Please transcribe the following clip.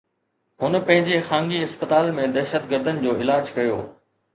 هن پنهنجي خانگي اسپتال ۾ دهشتگردن جو علاج ڪيو